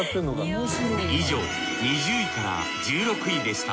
以上２０位から１６位でした。